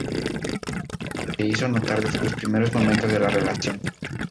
La artista japonesa se hizo notar desde los primeros momentos de la relación.